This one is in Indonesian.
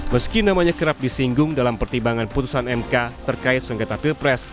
meski namanya kerap disinggung dalam pertimbangan putusan mk terkait sengketa pilpres